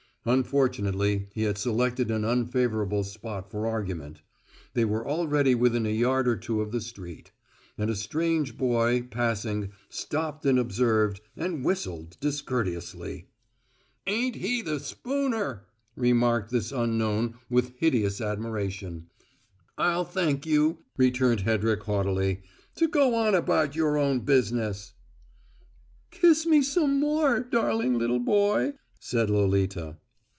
Unfortunately, he had selected an unfavourable spot for argument: they were already within a yard or two of the street; and a strange boy, passing, stopped and observed, and whistled discourteously. "Ain't he the spooner!" remarked this unknown with hideous admiration. "I'll thank you," returned Hedrick haughtily, "to go on about your own business." "Kiss me some more, darling little boy!" said Lolita.